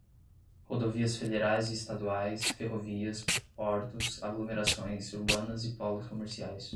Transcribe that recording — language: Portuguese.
rodovias federais e estaduais, ferrovias, portos, aglomerações urbanas e polos comerciais;